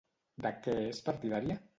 De què és partidària?